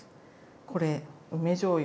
これ梅じょうゆ。